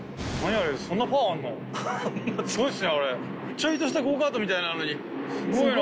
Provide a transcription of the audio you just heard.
ちょいとしたゴーカートみたいなのにすごいな。